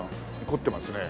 凝ってますね。